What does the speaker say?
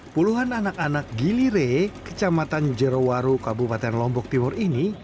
puluhan anak anak gilire kecamatan jerowaru kabupaten lombok timur ini